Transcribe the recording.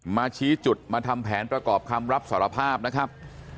มาชี้จุดมาทำแผนประกอบคำรับสารภาพนะครับ